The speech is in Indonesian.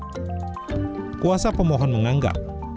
perkawinan beda agama merupakan masalah lama yang tidak selesai